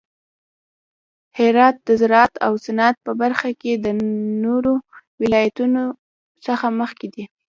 هرات د زراعت او صنعت په برخه کې د نورو ولایتونو څخه مخکې دی.